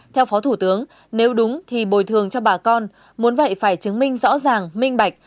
theo phó thủ tướng nếu đúng thì bồi thường cho bà con muốn vậy phải chứng minh rõ ràng minh bạch